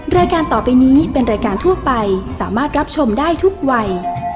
รายการต่อไปนี้เป็นรายการทั่วไปสามารถรับชมได้ทุกวัย